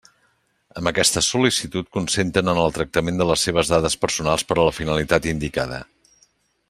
Amb aquesta sol·licitud consenten en el tractament de les seves dades personals per a la finalitat indicada.